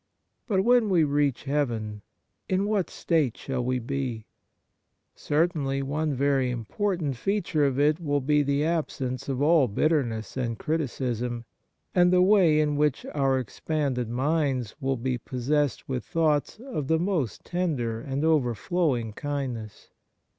But when we reach heaven, in what state shall we be ? Certainly one very important feature of it will be the absence of all bitterness and criticism, and the way in which our expanded minds will be pos sessed with thoughts of the most tender and overflowing kindness.